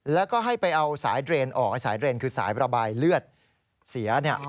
แล้วก็ให้ไปเอาสายเดรนออกสายเดรนคือสายระบายเลือดเสีย